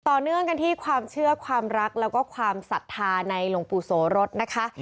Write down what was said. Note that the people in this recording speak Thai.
ต่อเนื่องกันที่ความเชื่อความรักแล้วก็ความศรัทธาในหลวงปู่โสรสนะคะ